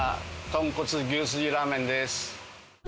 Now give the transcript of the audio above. とんこつ牛すじラーメンです。